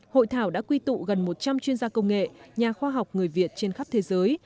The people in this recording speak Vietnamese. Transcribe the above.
hội thảo đã quy tụ gần một trăm linh chuyên gia công nghệ nhà khoa học người việt trên khắp thế giới